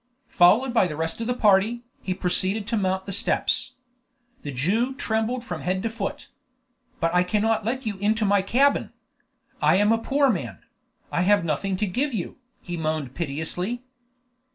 Followed by the rest of the party, he proceeded to mount the steps. The Jew trembled from head to foot. "But I cannot let you into my cabin. I am a poor man; I have nothing to give you," he moaned piteously.